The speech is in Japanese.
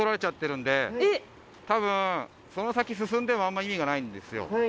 たぶんその先進んでもあんま意味がないんですよ。